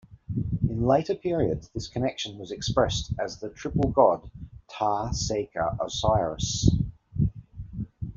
In later periods this connection was expressed as the triple god Ptah-Seker-Osiris.